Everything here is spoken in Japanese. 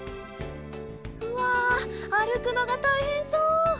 うわあるくのがたいへんそう！